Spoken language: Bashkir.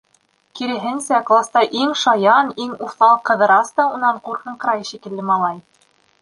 Киреһенсә, класта иң шаян, иң уҫал Ҡыҙырас та унан ҡур-ҡыңҡырай шикелле, малай.